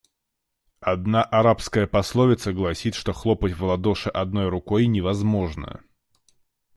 Одна арабская пословица гласит, что хлопать в ладоши одной рукой невозможно.